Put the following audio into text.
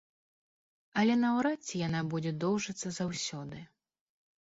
Але наўрад ці яна будзе доўжыцца заўсёды.